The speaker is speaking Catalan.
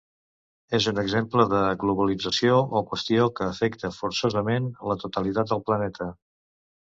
És un exemple de globalització o qüestió que afecta forçosament la totalitat del planeta.